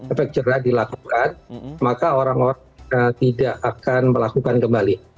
efek jerah dilakukan maka orang orang tidak akan melakukan kembali